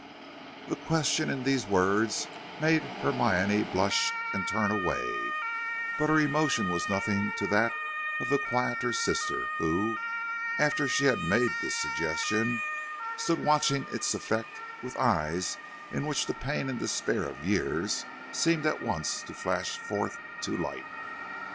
The question in these words made Hermione blush and turn away; but her emotion was nothing to that of the quieter sister, who, after she had made this suggestion, stood watching its effect with eyes in which the pain and despair of a year seemed at once to flash forth to light.